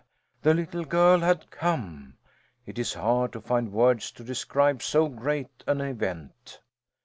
The little girl had come! It is hard to find words to describe so great an event.